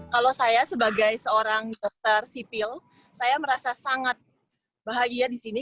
kalau saya sebagai seorang dokter sipil saya merasa sangat bahagia di sini